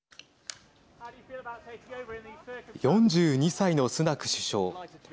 ４２歳のスナク首相。